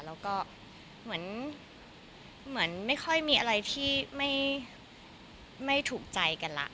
แล้วก็เหมือนไม่ค่อยมีอะไรที่ไม่ถูกใจกันละ